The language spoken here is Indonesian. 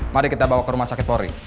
mari kita bawa ke rumah sakit polri